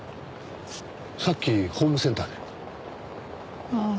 さっきホームセンターで。